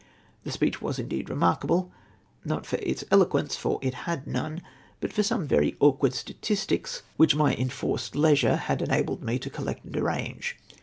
The speech indeed was remarkable — not for its eloquence, for it had none, but for some very awkward statistics which my enforced leisure had enabled me to collect and arrange.